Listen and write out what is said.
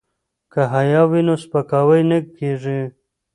که حیا وي نو سپکاوی نه کیږي.